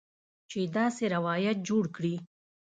چې داسې روایت جوړ کړي